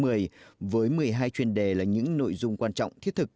với một mươi hai chuyên đề là những nội dung quan trọng thiết thực